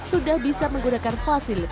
sudah bisa menggunakan fasilitas